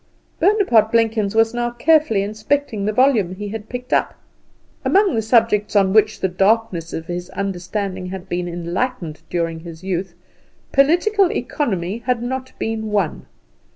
Bonaparte Blenkins was now carefully inspecting the volume he had picked up. Among the subjects on which the darkness of his understanding had been enlightened during his youth, Political Economy had not been one.